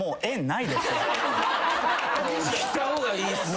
切った方がいいっすよ。